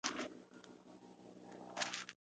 او هغه مې د میرمن کلیګرتي په عکس نښلولي دي